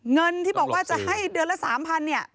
เงินที่บอกว่าจะให้เดือนละ๓๐๐เนี่ย